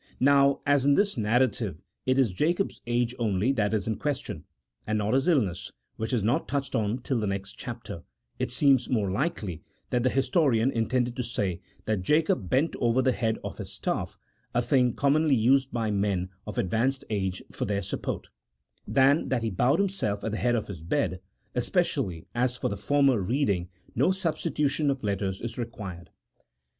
Now as in this narrative it is Jacob's age only that is in question, and not his illness, which is not touched on till the next chapter, :it seems more likely that the historian intended to say that Jacob bent over the head of his staff (a thing com monly used by men of advanced age for their support) than that he bowed himself at the head of his bed, espe cially as for the former reading no substitution of letters is required.